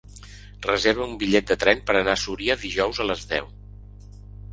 Reserva'm un bitllet de tren per anar a Súria dijous a les deu.